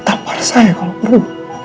tak marah saya kalo perlu